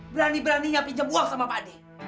berani beraninya pinjam uang sama pak de